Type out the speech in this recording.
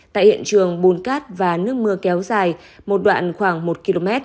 tại hiện trường bùn cát và nước mưa kéo dài một đoạn khoảng một km